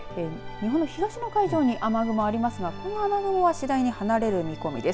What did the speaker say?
日本の東の海上に雨雲ありますがこの雨雲は次第に離れる見込みです。